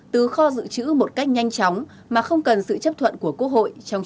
từ kho dự trữ một cách nhanh chóng mà không cần sự chấp thuận của quốc hội trong trường hợp khẩn cấp